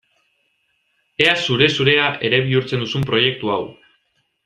Ea zure-zurea ere bihurtzen duzun proiektu hau!